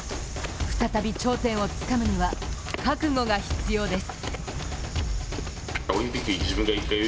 再び頂点をつかむには、覚悟が必要です。